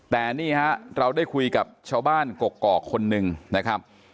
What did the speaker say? แต่นี่ฮะเราได้คุยกับชาวบ้านกกอกคนหนึ่งนะครับ